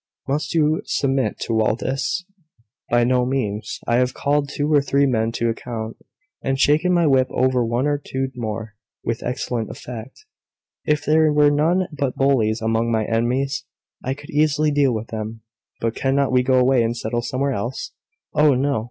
"Must you submit to all this?" "By no means. I have called two or three men to account, and shaken my whip over one or two more with excellent effect. If there were none but bullies among my enemies, I could easily deal with them." "But cannot we go away, and settle somewhere else?" "Oh, no!